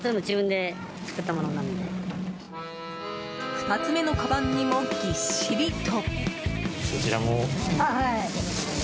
２つ目のかばんにもぎっしりと。